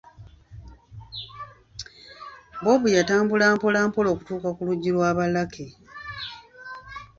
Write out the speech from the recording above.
Bob Yatambula mpolampola okutuuka ku luggi lwa ba Lucky.